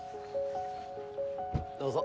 どうぞ。